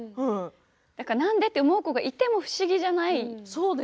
なんで？と思う人がいても不思議じゃない。